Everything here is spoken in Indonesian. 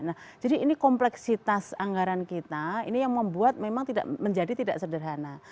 nah jadi ini kompleksitas anggaran kita ini yang membuat memang tidak menjadi tidak sederhana